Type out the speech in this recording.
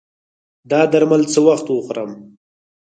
دا درمل څه وخت وخورم؟